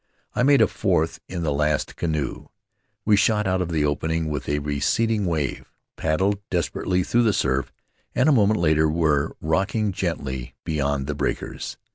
I made a fourth in the last canoe; we shot out of the opening with a receding wave, paddled desperately through the surf, and a moment later were rocking gently beyond the breakers.